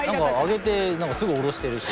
あげて何かすぐ下ろしてるし。